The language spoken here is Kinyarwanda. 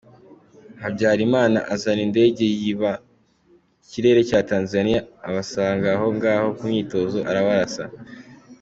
Habyarima azana indege yiba ikirere cya Tanzania abasanga aho ngaho ku myitozo arabarasa.